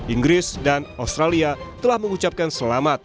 inggris dan australia telah mengucapkan selamat